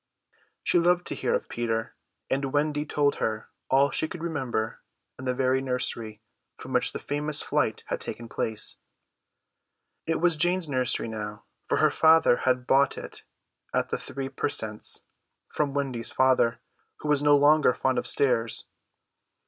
She loved to hear of Peter, and Wendy told her all she could remember in the very nursery from which the famous flight had taken place. It was Jane's nursery now, for her father had bought it at the three per cents from Wendy's father, who was no longer fond of stairs. Mrs.